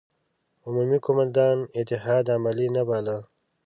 عمومي قوماندان اتحاد عملي نه باله.